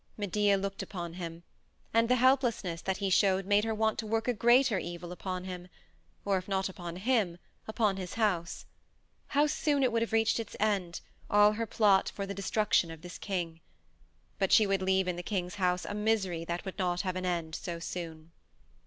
Medea looked upon him, and the helplessness that he showed made her want to work a greater evil upon him, or, if not upon him, upon his house. How soon it would have reached its end, all her plot for the destruction of this king! But she would leave in the king's house a misery that would not have an end so soon.